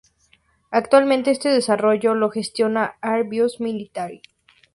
Actualmente este desarrollo lo gestiona Airbus Military.